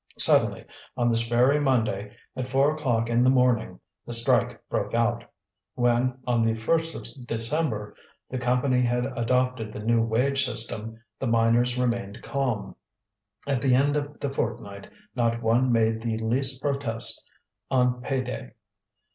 Suddenly, on this very Monday, at four o'clock in the morning, the strike broke out. When, on the 1st of December, the Company had adopted the new wage system, the miners remained calm. At the end of the fortnight not one made the least protest on pay day.